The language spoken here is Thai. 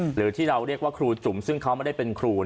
หรือที่เราเรียกว่าครูจุ่มซึ่งเขาไม่ได้เป็นครู